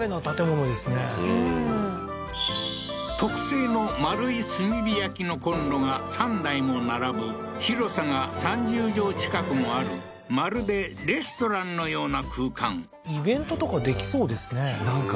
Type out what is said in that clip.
うん特製の丸い炭火焼きのコンロが３台も並ぶ広さが３０畳近くもあるまるでレストランのような空間イベントとかできそうですねなんか